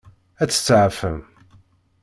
Ad tt-tseɛfem?